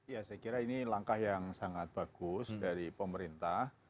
ya saya kira ini langkah yang sangat bagus dari pemerintah